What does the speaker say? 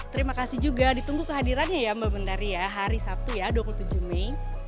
terima kasih juga ditunggu kehadirannya ya mbak menari ya hari sabtu ya dua puluh tujuh mei